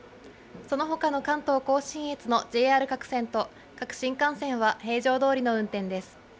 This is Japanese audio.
そのほかの関東甲信越のＪＲ各線と各新幹線は平常どおりの運転です。